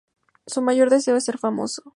Su mayor deseo es ser famoso.